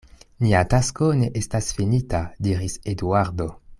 Nia tasko ne estas finita, diris Eduardo.